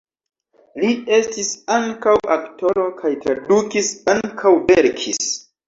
Li estis ankaŭ aktoro kaj tradukis, ankaŭ verkis.